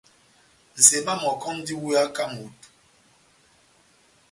Nʼseba mɔkɔ múndi múweyaka moto.